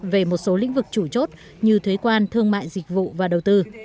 về một số lĩnh vực chủ chốt như thuế quan thương mại dịch vụ và đầu tư